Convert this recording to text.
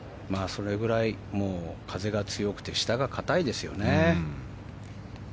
それぐらい風が強くて下が硬いですよね。